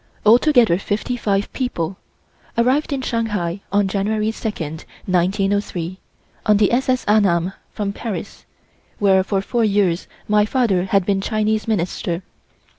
altogether fifty five people, arrived in Shanghai on January 2, 1903, on the S.S. "Annam" from Paris, where for four years my father had been Chinese Minister.